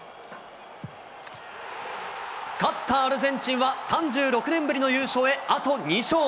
勝ったアルゼンチンは、３６年ぶりの優勝へあと２勝。